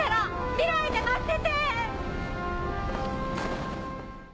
未来で待ってて！